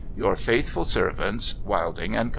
Your faithful servants, ' Wilding and Co.'